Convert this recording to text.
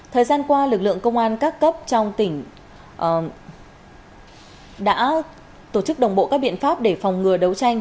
thời gian qua lực lượng công an các cấp trong tỉnh đã tổ chức đồng bộ các biện pháp để phòng ngừa đấu tranh